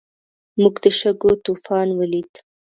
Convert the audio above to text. موږ د شګو طوفان ولید.